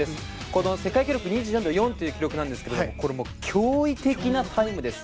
この世界記録、２４秒４という記録なんですけれどもこれ驚異的なタイムです。